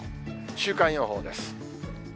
週間予報です。